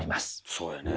そうやね。